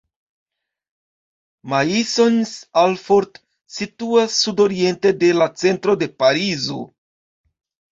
Maisons-Alfort situas sudoriente de la centro de Parizo.